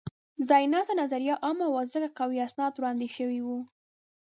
ځایناستې نظریه عامه وه؛ ځکه قوي اسناد وړاندې شوي وو.